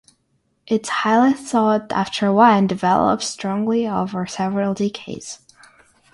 Its highly sought after wine develops strongly over several decades.